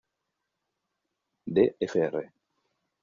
D. Fr.